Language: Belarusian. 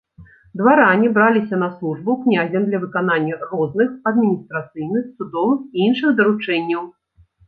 Дваране браліся на службу князем для выканання розных адміністрацыйных, судовых і іншых даручэнняў.